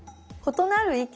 「○なる意見」？